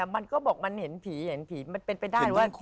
มันก็บอกมันเห็นผีมันเป็นไปได้